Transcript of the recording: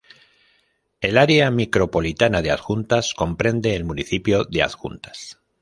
El área micropolitana de Adjuntas comprende el municipio de Adjuntas.